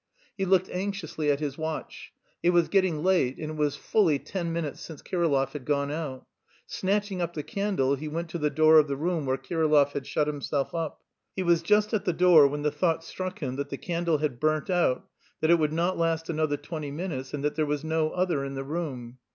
He looked anxiously at his watch; it was getting late and it was fully ten minutes since Kirillov had gone out.... Snatching up the candle, he went to the door of the room where Kirillov had shut himself up. He was just at the door when the thought struck him that the candle had burnt out, that it would not last another twenty minutes, and that there was no other in the room.